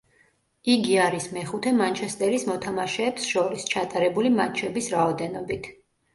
იგი არის მეხუთე მანჩესტერის მოთამაშეებს შორის, ჩატარებული მატჩების რაოდენობით.